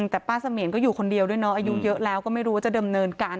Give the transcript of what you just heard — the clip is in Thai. แต่ป้าเสมียนก็อยู่คนเดียวด้วยเนาะอายุเยอะแล้วก็ไม่รู้ว่าจะเดิมเนินการ